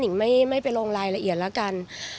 หญิงไม่ไปลงรายละเอียดแล้วกัน